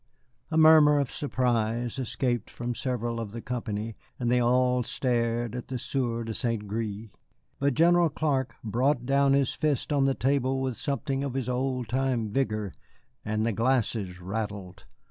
A murmur of surprise escaped from several of the company, and they all stared at the Sieur de St. Gré. But General Clark brought down his fist on the table with something of his old time vigor, and the glasses rattled.